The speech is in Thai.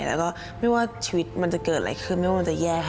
แล้วก็ไม่ว่าชีวิตมันจะเกิดอะไรขึ้นไม่ว่ามันจะแย่ค่ะ